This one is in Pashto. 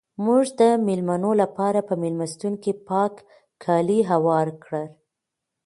موږ د مېلمنو لپاره په مېلمستون کې پاک کالي هوار کړل.